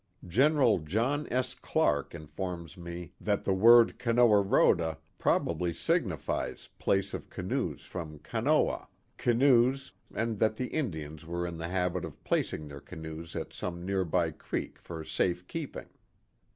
Gen. John S. Clark informs me that the word Canowaroda probably signifies place of canoes from Canowha, canoes, and that the Indians were in the habit of placing their canoes at some nearby creek for safe keeping.